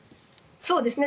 そうですね。